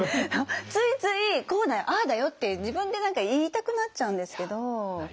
ついついこうだよああだよって自分で何か言いたくなっちゃうんですけど。